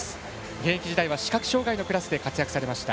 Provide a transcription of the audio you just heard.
現役時代は視覚障がいのクラスで活躍されました。